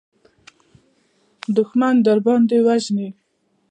دښمن درباندې وژني.